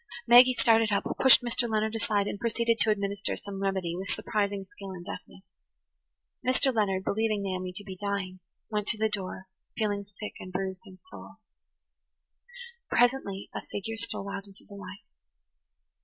Maggie started up, pushed Mr. Leonard aside, and proceeded to administer some remedy with surprising skill and deftness. Mr. Leonard, believing Naomi to be dying, went to the door, feeling sick and bruised in soul. Presently a figure stole out into the light.